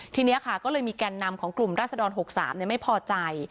ทีนี้ค่ะก็เลยมีแก่นนำของกลุ่มราศดร๖๓ไม่พอใจ